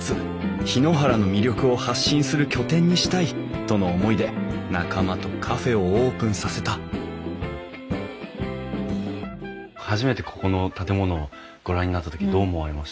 檜原の魅力を発信する拠点にしたいとの思いで仲間とカフェをオープンさせた初めてここの建物をご覧になった時どう思われました？